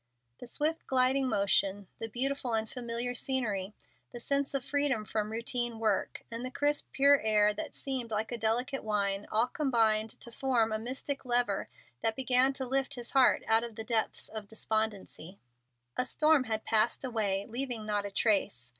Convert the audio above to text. The swift gliding motion, the beautiful and familiar scenery, the sense of freedom from routine work, and the crisp, pure air, that seemed like a delicate wine, all combined to form a mystic lever that began to lift his heart out of the depths of despondency. A storm had passed away, leaving not a trace.